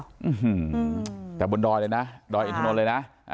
อืมแต่บนดอยเลยนะดอยอินทนนท์เลยนะ